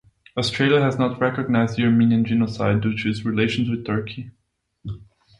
Australia has not recognized the Armenian genocide due to its relations with Turkey.